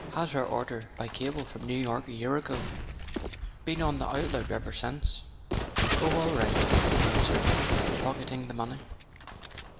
Had her order by cable from New York a year ago. Been on the lookout ever since." "Oh, all right," Camp ton answered, repocketing the money.